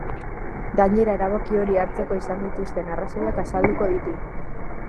Gainera, erabaki hori hartzeko izan dituzten arrazoiak azalduko ditu.